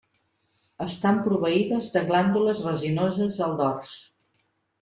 Estan proveïdes de glàndules resinoses al dors.